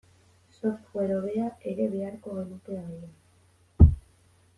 Software hobea ere beharko genuke agian.